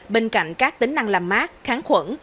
bên cạnh các tính năng làm mát kháng khuẩn